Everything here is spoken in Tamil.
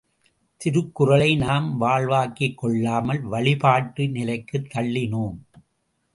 திருக்குறளை நாம் வாழ்வாக்கிக் கொள்ளாமல் வழிபாட்டு நிலைக்குத் தள்ளினோம்!